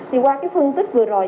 thì qua cái phân tích vừa rồi